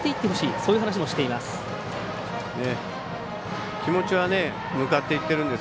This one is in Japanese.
そういう話をしています。